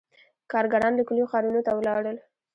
• کارګران له کلیو ښارونو ته ولاړل.